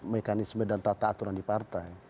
mekanisme dan tata aturan di partai